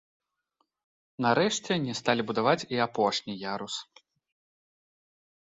Нарэшце, не сталі будаваць і апошні ярус.